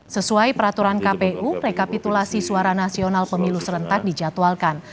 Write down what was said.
sesuai peraturan kpu rekapitulasi suara nasional pemilu serentak dijadwalkan